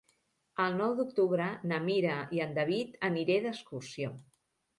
El nou d'octubre na Mira i en David aniré d'excursió.